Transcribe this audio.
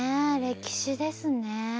歴史ですね。